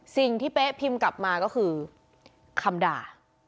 สิ่งที่เป๊ะพิมพ์กลับมาก็คือคำด่า